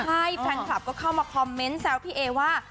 ใช่แฟนคลับสูดใจก็เข้ามาแซวน์พี่เอ๊ว่า